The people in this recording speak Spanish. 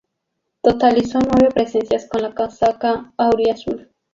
Totalizó nueve presencias con la casaca "auriazul".